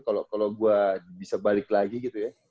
kalau gue bisa balik lagi gitu ya